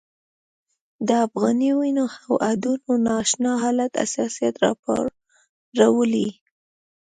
د افغاني وینو او هډونو نا اشنا حالت حساسیت راپارولی.